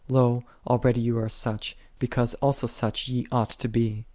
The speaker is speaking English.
3 Lo, already ye are such, because also such ye ought to be.